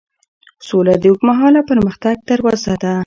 سوله د اوږدمهاله پرمختګ دروازه ده.